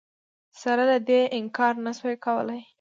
سره له دې انکار نه شو کولای